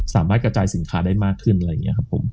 สามารถกระจายสินค้าได้มากขึ้นอะไรอย่างนี้ครับผม